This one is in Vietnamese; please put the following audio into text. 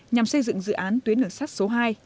nhằm xây dựng dự án tuyến đường sắt số hai